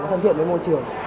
nó thân thiện với môi trường